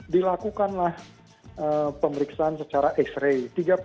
dilakukanlah pemeriksaan secara x ray